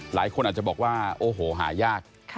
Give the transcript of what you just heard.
หลายคนอาจจะบอกว่าโอ้โหหายาก